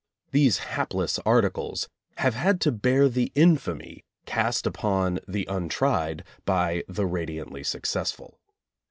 These hapless articles have had to bear the infamy cast upon the untried by the radiantly successful.